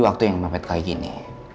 waktu yang mepet kayak gini